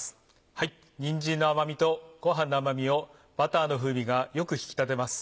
はいにんじんの甘みとごはんの甘みをバターの風味がよく引き立てます。